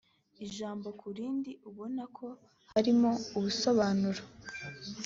ijambo kurindi ubona ko harimo ubusobanuro